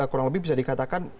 kurang lebih bisa dikatakan